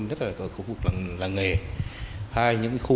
nhất là ở khu vực làng nghề